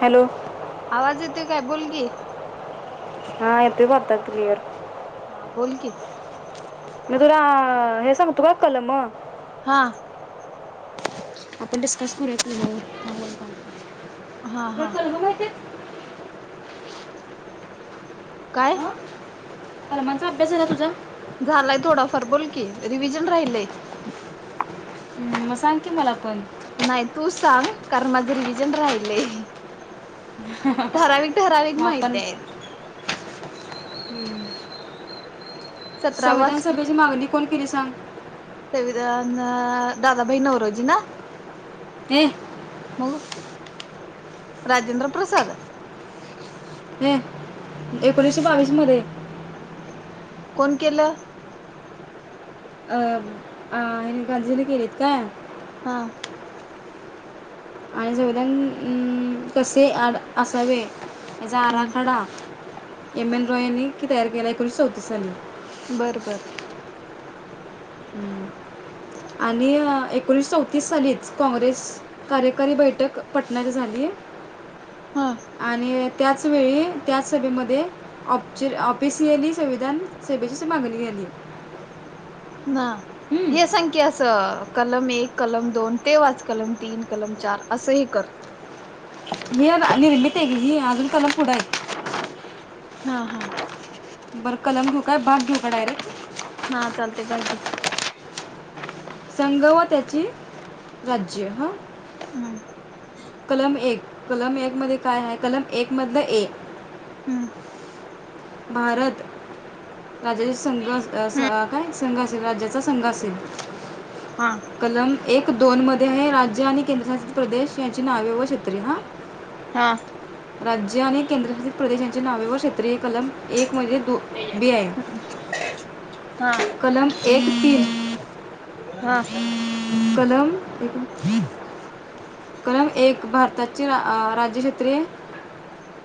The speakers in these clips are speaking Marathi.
हॅलो! आवाज येतोय काय बोल की. हा येतोय आता क्लिअर. हा बोल की. मी तुला हे सांग तू का कलम. हा आपण डिस्कस करूया कलमावर हा हा [unintelligible] काय कलमाचा अभ्यास झाला तुझा? झालाय थोडाफार बोल की रिव्हीजन राहिलय. मग सांग की मला आपण. नाही तूच सांग कारण माझं रिव्हीजन राहिलय. ठराविक ठराविक मग आपण माहितेत. सतरावा संविधान सभेची मागणी कोण केली सांग? संविधान दादाभाई नोवरोजी ना, ए मग राजेंद्र प्रसाद ह एकोणीशे बावीस मध्ये, कोण केलं? अ अ हे गांजीरे केलीत काय? हा आणि संविधान कसे असावे. याचा हम्म आराखडा एम एन रॉय यांनी तयार केला. एकोणीसशे चौतीस साली, बरं-बरं [inaudible] आणि एकोणीसशे चौतीस सालीच काँग्रेस कार्यकारी बैठक पटणा येथे झाली. हा आणि त्याचवेळी त्या सभेमध्ये ऑफ ऑपेसली संविधान सभेचीच मागणी झाली. हा हम्म. हे सांग की आस कलम एक, कलम दोन ते वाच कलम तीन कलम चार असंही कर ही निर्मित आहे गं हेची अजून कलम पुढं आहेत. हा हा बरं कलम घेऊ काय भाग घेऊ काय? डायरेक्ट हा चालतंय भाग घे, संघ व त्याचे राज्य ह हम्म कलम एक कलम एक मध्ये काय आहे? कलम एक मधलं एक हम् भारत राज्याचा संघ हम्म काय संघ असेल राज्याचा संघ असेल, हा कलम एक, दोन मध्ये हे राज्य आणि केंद्रशासित प्रदेश यांची नावे व क्षेत्रीय हा हां राज्य आणि केंद्रशासित प्रदेशांच्या नावेवर क्षेत्रीय कलम एक मध्ये दो बी आहे. हा कलम एक तीन हा कलम [unintelligible] कलम एक भारताचे अं राज्यक्षेत्रीय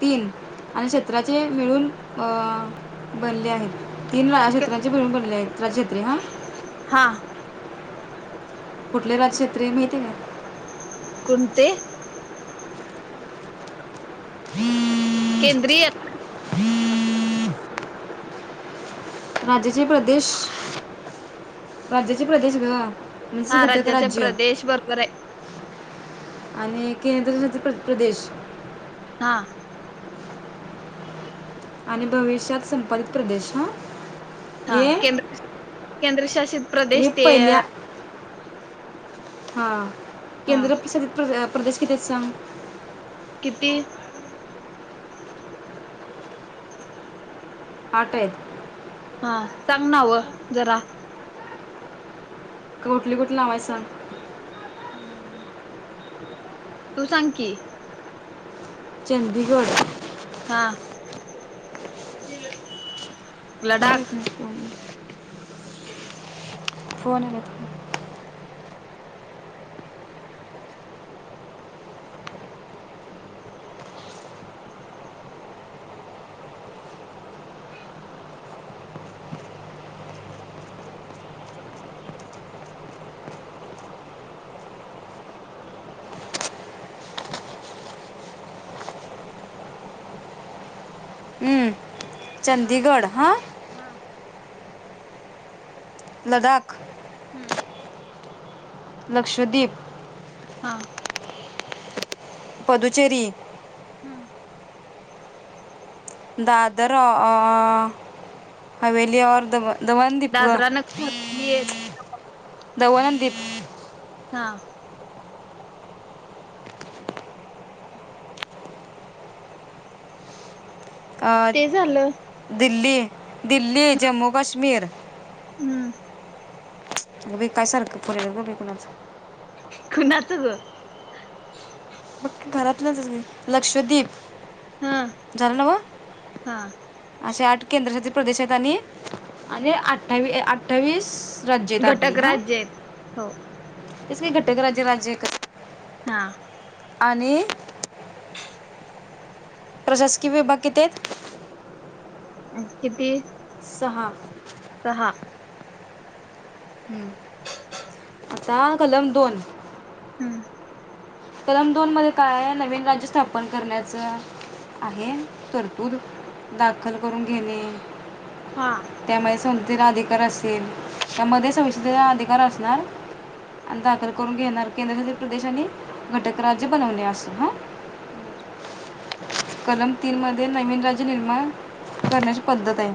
तीन आणि क्षत्राचे मिळून अं बनले आहेत. तीनला क्षेत्राचे भरून भरले आहेत. राज्यक्षेञ हा हां कुठले राज क्षत्रीय माहितीे का? कुणते? [inaudible] केंद्रीय ना? राज्याचे प्रदेश राज्याचे प्रदेश गं. हा राज्याचे प्रदेश बरोबर आहे. आणि केंद्रशासित प्र प्रदेश हा आणि भविष्यात संपादित प्रदेश हं हा केंद्रशासित हे प्रदेश ते पहिल्या हा हा केंद्रप्रशासित प्रदेश कितीे सांग? किती? आठ आहेत हा सांग नाव जरा कुठली कुठली नावं आहे सांग हम्म [inaudible] तू सांग की चंदीगड हा लडाख [unintelligible] फोन आला आहेत का? [inaudible] हा चंदिगड हा हा लदाख हम्म लक्षद्वीप हा पदुचेरी हम्म दादर अअ हवेली और दमण दादरा नगरहवेली येत दमण अन दिप हा ते झालं अं दिल्ली दिल्ली, जम्मू काश्मीर हम्म विकाय सारखं पुरेल ग बाई कुणाचं कुणाचं गं? बघ घरातलंच [unintelligible] लक्षद्वीप हा झालं नव? हा असे आठ केंद्रशासित प्रदेश आहेत आणि आणि अठ्ठावी अठ्ठावीस राज्य आहेत आपली घटक हं, राज्य आहेत हो तसंही घटक राज्य राज्य एकच ये हा आणि प्रशासकीय विभाग किती आहेत अ किती सहा सहा हम्म आता कलम दोन हम्म कलम दोन मध्ये काय आहे नवीन राज्य स्थापन करण्याचं आहे तरतूद दाखल करून घेणे हा त्यामध्ये संसद अधिकार असेल त्यामध्ये संसदेचा अधिकार असणार आणि दाखल करून घेणार केंद्रशासित प्रदेश आणि घटक राज्य बनवणे अस हां बर कलम तीन मध्ये नवीन राज्य निर्माण करण्याची पद्धत आहे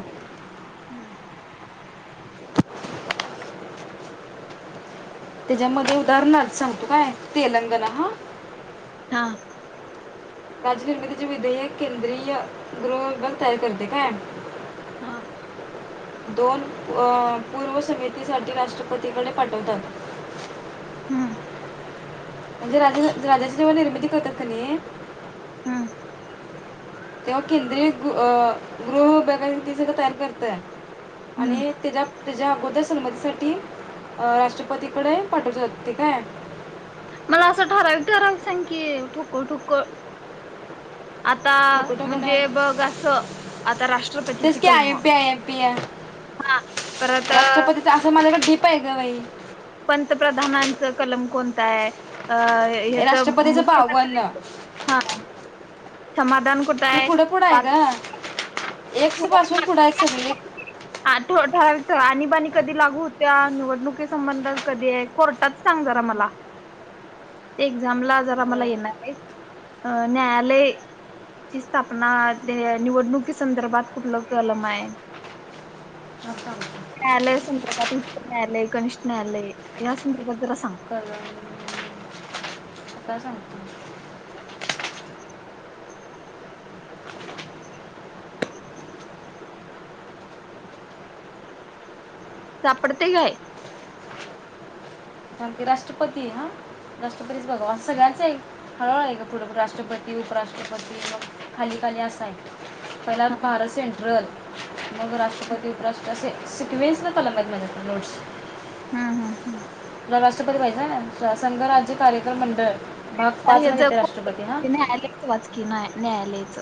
हम्म त्याच्यामध्ये उदाहरणार सांगतो काय तेलंगणा हां हां राज्य निर्मिती चे विधायक केंद्रीय गृह विभाग तयार करते काय हां दोन अं पुर्व समितीसाठी‌ राष्ट्रपतीकडे पाठवतात हं म्हणजे राजा राजाची जेव्हा निर्मिती करतात का नी हम्म्म तेव्हा केंद्रीय अं गृह विभागा ती सगळ तयार करते हम्म आणि त्याच्या त्याच्या अगोदर संमतीसाठी अं राष्ट्रपतीकडे पाठवतात ते काय मला अस ठराविक ठराविक सांग की ठोकळ ठोकळ आता ठोकून ठोकून म्हणजे बघ अस आता राष्ट्रपतीची तेच की आय कलम M P I M P आहे हां परत अस माझ्याकडे टिप आहे ग बाई पंतप्रधानांच कलम कोणता आहे अं ह्याच राष्ट्रपतीचं बावन मुख्यमंत्री हां समाधान कुठ ते आहे पुढं पुढं आहे [unintelligible] ग एक्स पासुन पुढ आहेत सगळे आठ आठ आणि बाणी कधी लागु होत्या निवडणुकी संबंधा कधी आहे कोर्टात सांग जरा मला [inaudible] ते एक्झामला जरा मला बरं येणार आहे अं न्यायालय ची स्थापना ते निवडणुकीच संदर्भात कुठलं कलम आहे थांब थांब न्यायालय संदर्भात उच्च न्यायालय कनिष्ठ न्यायालय या संदर्भात जरा सांग कलम काय सांगतो हम [inaudible] [inaudible] [inaudible] सापडतेय काय थांब की राष्ट्रपती हां राष्ट्रपतीच बघा सगळ्यांच आहे हळुहळु आहे ग पुढ राष्ट्रपती उपराष्ट्रपती मग खाली खाली अस आहे पहिला हा भारत सेंट्रल मग राष्ट्रपती उपराष्ट्रपती असे सिकवेन्स चालल्या तुझ्या त्या नोट्स हं हं तुला राष्ट्रपती व्हायचा संघ राज्य कार्यक्रम मंडळ भाग पाच हे जर नेते राष्ट्रपती हा [inaudible] न्यायालयच वाच की नाही न्यायालयाच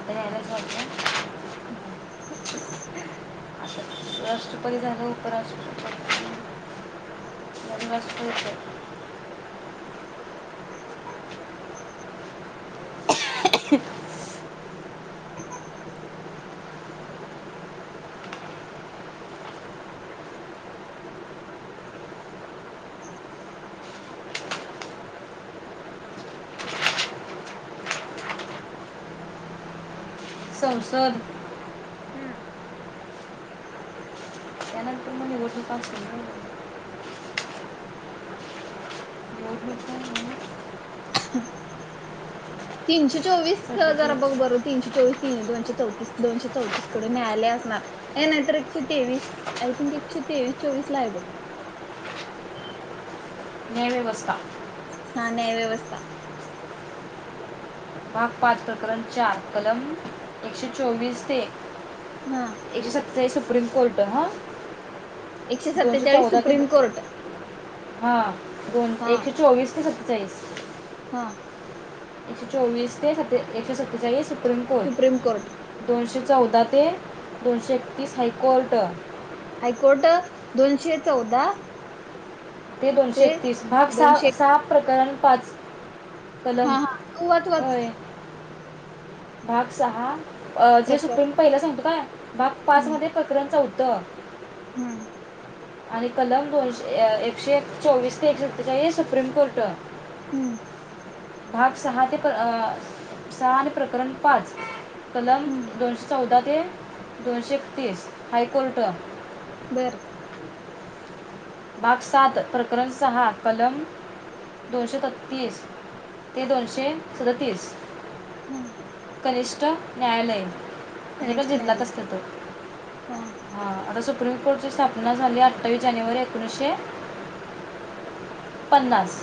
अन कत [unintelligible] राष्ट्रपती झाल्यावर उपराष्ट्रपती [inaudible] [unintelligible] [inaudible] [unintelligible] [unintelligible] संसद हम्म त्यानंतर म्हणे [unintelligible] झोप इथं तीनशे चोवीस क जरा बघ सर्वचे बरं तीनशे चोवीस ती दोनशे चौतीस दोनशे चौतीस कडं न्यायालय असणार ए नाहीतर एकशे तेवीस आय थिंक एकशे तेवीस चोवीस ला हाय बघ न्यायव्यवस्था हा न्यायव्यवस्था भाग पाच प्रकरण चार कलम एकशे चोवीस ते हा एकशे सत्तावीस सुप्रीम कोर्ट हां एकशे सत्तेचाळीस सुप्रीम कोर्ट हा दोन हा एकशे चोवीस ते सत्तेचाळीस हा एकशे चोवीस ते सत्ते एकशे सत्तेचाळीस सुप्रीम कोर्ट दोनशे चौदा ते दोनशे एकतीस हायकोर्ट हायकोर्ट दोनशे चौदा ते दोनशे एकतीस भाग सहा दोनशे सहा प्रकरण पाच कलम हा हा तू वाच वाच होय भाग सहा अ जे प्रकार सुप्रीम पहिला संपतो का भाग पाच हम्म मध्ये प्रकरण चौथं. हम्म आणि कलम दोनशे एकशे चोवीस ते एकशे सत्तेचाळीस सुप्रीम कोर्ट हम्म भाग सहा ते सहा आणि प्रकरण पाच कल हम्म दोनशे चौदा ते दोनशे एकतीस हायकोर्ट बर भाग सात प्रकरण सहा कलम दोनशे छत्तीस ते दोनशे सदतीस हम्म कनिष्ठ न्यायालय म्हणजे जो गणेश जिल्ह्यात न्यायालय असतो तो हा आता सुप प्रिम कोर्ट ची स्थापना झाली अठ्ठावीस जानेवारी एकोणीसशे पन्नास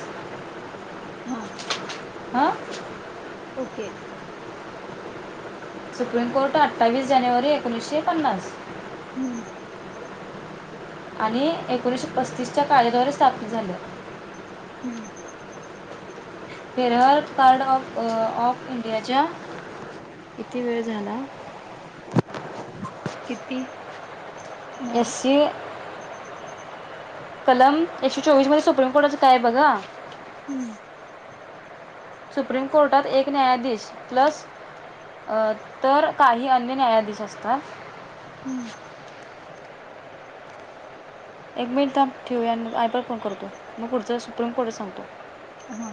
हा आ ओके सुप्रीम कोर्ट अठ्ठावीस जानेवारी एकोणीसशे पन्नास हम्म आणि एकोणीसशे पस्तीसच्या कायदेद्वारे स्थापन झालं. हम्म फेरहर कार्ड ऑफ ऑफ इंडियाच्या, किती वेळ झाला. किती? नाही एशी कलम एकशे चोवीस मध्ये सुप्रीम कोर्टाच काय आहे बघा. हम्म सुप्रीम कोर्टात एक न्यायाधीश, प्लस अ तर काही अन्य न्यायाधीश असतात. हम्म एक मिनिट थांब. ठेवूया मग, वायफाय वर फोन करतो. मग पुढच सुप्रीम कोर्ट सांगतो. हा